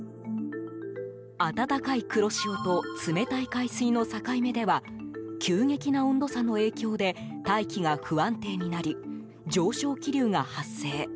暖かい黒潮と冷たい海水の境目では急激な温度差の影響で大気が不安定になり上昇気流が発生。